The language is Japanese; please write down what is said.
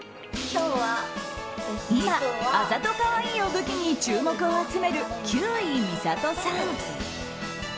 今、あざとカワイイを武器に注目を集める休井美郷さん。